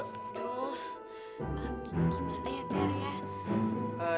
aduh gimana ya teh ya